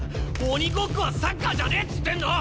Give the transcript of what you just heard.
オニごっこはサッカーじゃねえっつってんの！